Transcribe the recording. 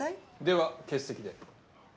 では欠席で。